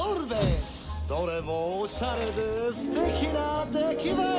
「どれもおしゃれですてきなできばえ！」